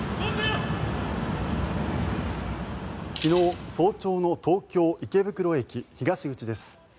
昨日早朝の東京・池袋駅東口です。